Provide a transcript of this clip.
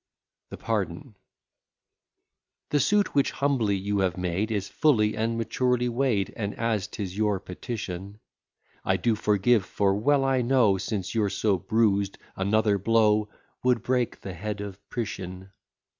_] THE PARDON The suit which humbly you have made Is fully and maturely weigh'd; And as 'tis your petition, I do forgive, for well I know, Since you're so bruised, another blow Would break the head of Priscian.